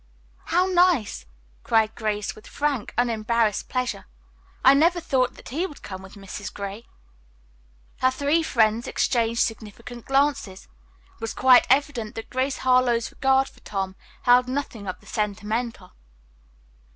"How nice!" cried Grace, with frank, unembarrassed pleasure. "I never thought that he would come with Mrs. Gray." Her three friends exchanged significant glances. It was quite evident that Grace Harlowe's regard for Tom held nothing of the sentimental.